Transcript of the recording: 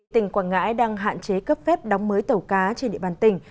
tỉnh quảng ngãi đang hạn chế cấp phép đóng mới tàu cá trên địa bàn tỉnh